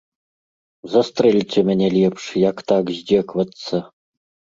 Застрэльце мяне лепш, як так здзекавацца!